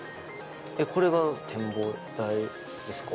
これが展望台ですか？